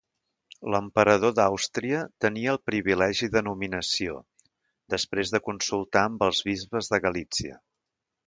L'emperador d'Àustria tenia el privilegi de nominació, després de consultar amb els bisbes de Galítsia.